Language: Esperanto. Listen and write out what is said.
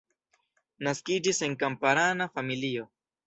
Naskiĝis en kamparana familio.